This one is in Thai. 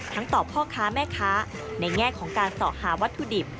ต่อพ่อค้าแม่ค้าในแง่ของการสอหาวัตถุดิบ